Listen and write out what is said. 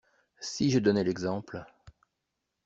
Si je donnais l'exemple?